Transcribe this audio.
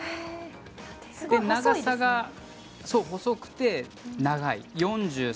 長さが細くて長い。